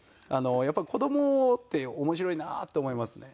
やっぱり子供って面白いなって思いますね。